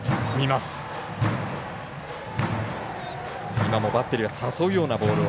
今もバッテリーは誘うようなボールを。